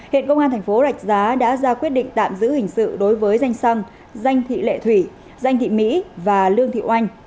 hiện công an thành phố rạch giá đã ra quyết định tạm giữ hình sự đối với danh xăng danh thị lệ thủy danh thị mỹ và lương thị oanh